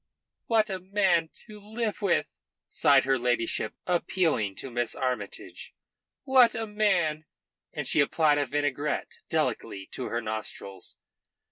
"What a man to live with!" sighed her ladyship, appealing to Miss Armytage. "What a man!" And she applied a vinaigrette delicately to her nostrils.